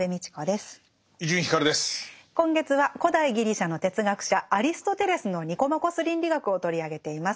今月は古代ギリシャの哲学者アリストテレスの「ニコマコス倫理学」を取り上げています。